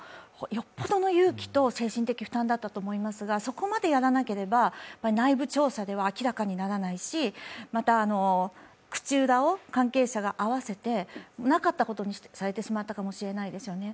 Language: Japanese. よっぽどの勇気と精神的負担だったと思いますが、そこまでやらなければ内部調査では明らかにならないしまた、口裏を関係者が合わせて、なかったことにされてしまったかもしれないですよね。